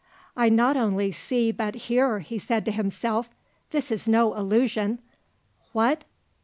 "I not only see but hear!" he said to himself. "This is no illusion! What?